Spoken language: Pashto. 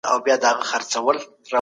سالم ذهن ژوند نه زیانمنوي.